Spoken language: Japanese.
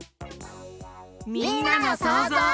みんなのそうぞう。